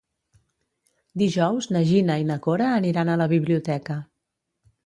Dijous na Gina i na Cora aniran a la biblioteca.